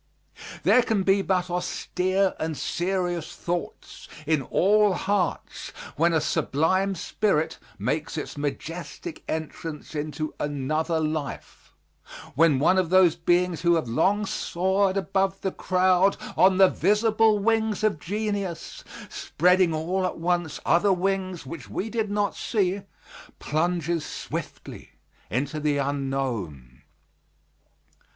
There can be but austere and serious thoughts in all hearts when a sublime spirit makes its majestic entrance into another life, when one of those beings who have long soared above the crowd on the visible wings of genius, spreading all at once other wings which we did not see, plunges swiftly into the unknown.